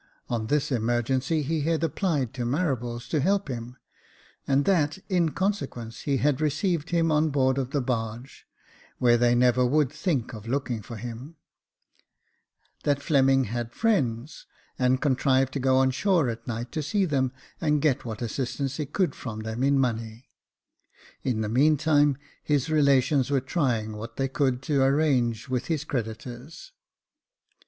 On this emergency he had applied to Marables to help him, and that, in consequence, he had received him Jacob Faithful ^y on board of the barge, where they never would think of looking for him ; that Fleming had friends, and contrived to go on shore at night to see them, and get what assist ance he could from them in money : in the meantime, his relations were trying what they could do to arrange with his creditors.